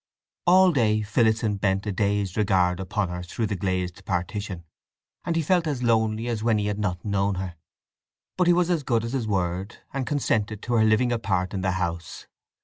All day Phillotson bent a dazed regard upon her through the glazed partition; and he felt as lonely as when he had not known her. But he was as good as his word, and consented to her living apart in the house.